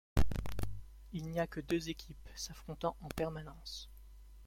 Il n'y a que deux équipes s'affrontant en permanence.